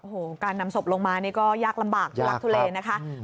โอ้โหการนำศพลงมานี่ก็ยากลำบากทุลักทุเลนะคะ